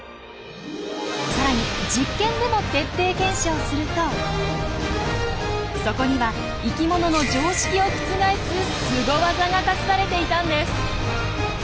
さらに実験でも徹底検証するとそこには生きものの常識を覆すスゴ技が隠されていたんです！